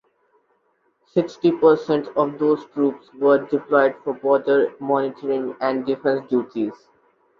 Sixty per cent of those troops were deployed for border monitoring and defense duties.